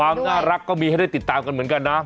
ความน่ารักก็มีให้ได้ติดตามกันเหมือนกันนะ